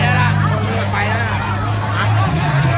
ก็ไม่มีเวลาให้กลับมาเท่าไหร่